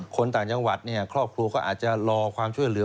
คนต่างจังหวัดเนี่ยครอบครัวก็อาจจะรอความช่วยเหลือ